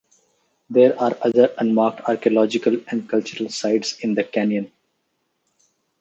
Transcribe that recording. There are other unmarked archaeological and cultural sites in the canyon.